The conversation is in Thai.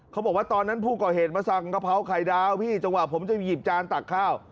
เขาบอกว่าตอนนั้นผู้ก่อเหตุมาสั่งกะเพราไข่ดาวพี่จังหวะผมจะหยิบจานตักข้าว